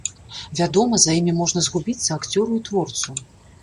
Вядома, за імі можна згубіцца акцёру і творцу.